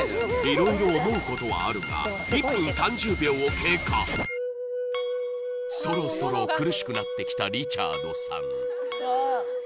色々思うことはあるが１分３０秒を経過そろそろリチャードさん